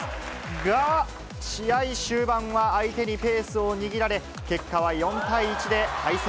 が、試合終盤は相手にペースを握られ、結果は４対１で敗戦。